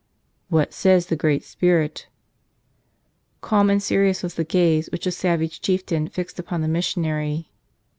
"What says the Great Spirit?" Calm and serious was the gaze which the savage chieftain fixed upon the missionary.